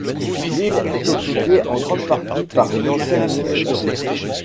L'île est occupée en grande partie par une ancienne minoterie.